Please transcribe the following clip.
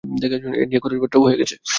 এ নিয়ে খরচপত্রও হয়ে গেছে।